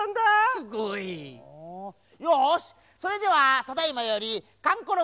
すごい！よしそれではただいまよりかんころ